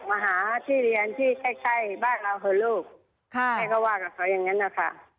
บ้านเขาว่ากับเขาอย่างนั้นนะคะ